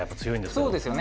そうですよね。